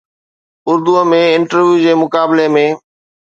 Urdu ۾ interview جي مقابلي ۾